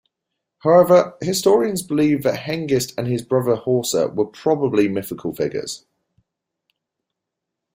However, historians believe that Hengist and his brother Horsa were probably mythical figures.